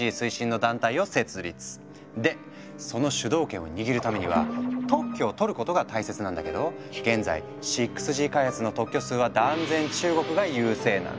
でその主導権を握るためには特許を取ることが大切なんだけど現在６Ｇ開発の特許数は断然中国が優勢なの。